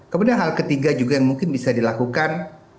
kemudian hal ketiga juga yang mungkin bisa dilakukan